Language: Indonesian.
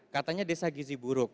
katanya desa gizi buruk